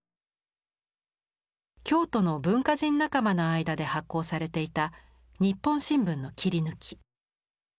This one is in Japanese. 京都の文化人仲間の間で発行されていた「ニッポン新聞」の切り抜き。